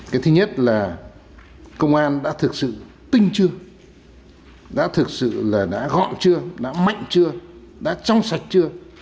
cái thứ nhất là công an đã thực sự tinh chưa đã thực sự là đã gọn chưa đã mạnh chưa đã trong sạch chưa